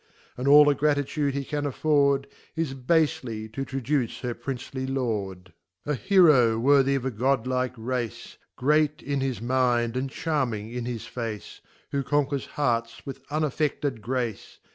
And all the Gratitude he can afford, Is ba% to traduce her Princely Lord. A Heroe worthy of a God likg Race, Qeat in "his Mind, and charming in his Face, Who conquers Hearts, with unaffected Grace.